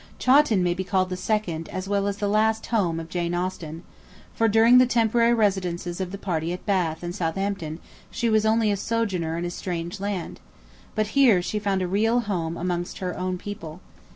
Chawton may be called the second, as well as the last home of Jane Austen; for during the temporary residences of the party at Bath and Southampton she was only a sojourner in a strange land; but here she found a real home amongst her own people.